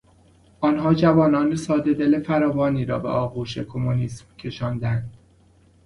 آنان جوانان سادهدل فراوانی را به آغوش کمونیسم کشاندند.